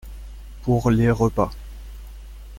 Pour les repas.